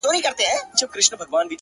• له آسمانه به راتللې بیرته کورته ,